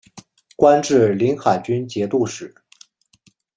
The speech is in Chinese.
官至临海军节度使。